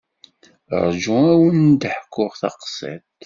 Rju ad wen-d-ḥkuɣ taqsiṭ.